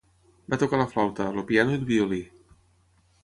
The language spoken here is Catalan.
Va tocar la flauta, el piano i el violí.